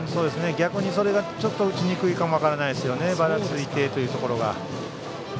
逆に、それがちょっと打ちにくいかも分からないですよねばらついてというところが。